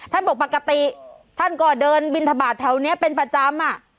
บอกปกติท่านก็เดินบินทบาทแถวนี้เป็นประจำ